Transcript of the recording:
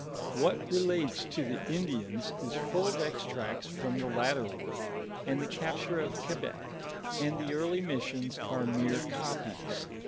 What relates to the Indians is full of extracts from tlie latter work, and the copture of Quebec, and the early missions are mere copies.